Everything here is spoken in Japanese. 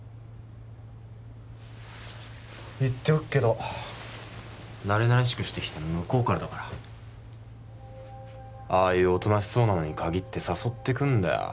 言っておくけどなれなれしくしてきたの向こうからだからああいうおとなしそうなのにかぎって誘ってくんだよ